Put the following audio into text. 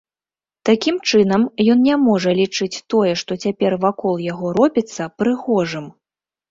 Такім чынам, ён не можа лічыць тое, што цяпер вакол яго робіцца, прыгожым.